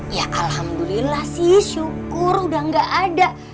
ya alhamdulillah sih syukur udah gak ada